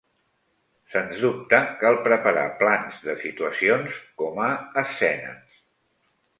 Sens dubte cal preparar plans de situacions, com a escenes.